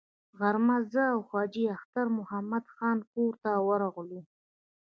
غرمه زه او حاجي اختر محمد خان کور ته ورغلو.